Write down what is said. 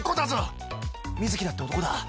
瑞稀だって男だ